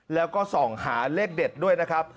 แล้วก็ส่องหาเลขเด็ดด้วยนะครับ